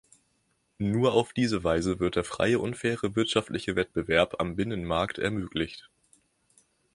Nur auf diese Weise wird der freie und faire wirtschaftliche Wettbewerb am Binnenmarkt ermöglicht.